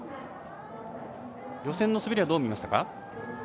予選の滑りはどう見ましたか？